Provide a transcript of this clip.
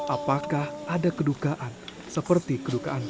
apakah ada kedukaan seperti kedukaan